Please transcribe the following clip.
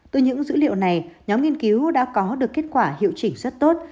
từ những dữ liệu này nhóm nghiên cứu đã có được kết quả hiệu chỉnh rất tốt